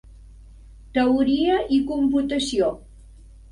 Teoria i computació.